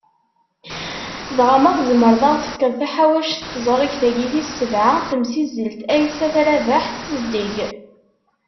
Dɣa, ma tzemmreḍ ad aɣ-tefkeḍ taḥawact n tezrigt-agi tis sebɛa n temsizzelt Aysat Rabaḥ n tezdeg?